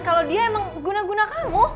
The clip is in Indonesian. kalau dia emang guna guna kamu